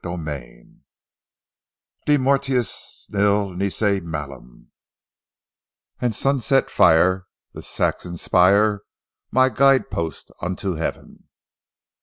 CHAPTER II DE MORTUIS NIL NISI MALUM "And sunsets fire, the Saxham spire, My guide post unto heaven."